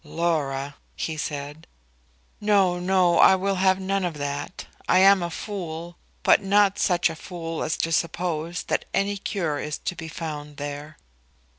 "Laura ," he said. "No, no; I will have none of that. I am a fool, but not such a fool as to suppose that any cure is to be found there."